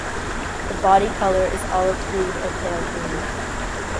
The body colour is olive green or pale green.